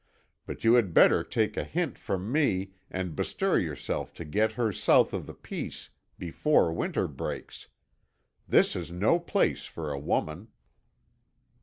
But you had better take a hint from me and bestir yourself to get her south of the Peace before winter breaks. This is no place for a woman."